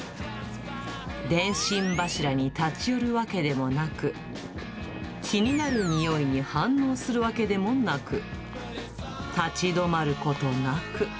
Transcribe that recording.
電信柱に立ち寄るわけでもなく、気になる匂いに反応するわけでもなく、立ち止まることなく。